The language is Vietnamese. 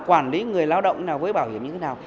quản lý người lao động như thế nào với bảo hiểm như thế nào